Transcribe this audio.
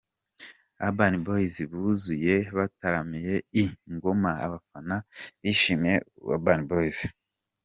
Urban Boys buzuye bataramiye i NgomaAbafana bishimiye Urban Boys.